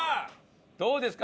どうですか？